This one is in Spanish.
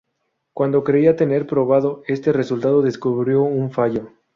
Cuando creía tener probado este resultado, descubrió un fallo.